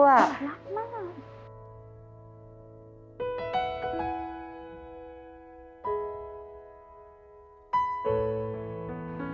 รักมาก